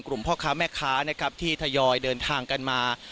พ่อค้าแม่ค้านะครับที่ทยอยเดินทางกันมา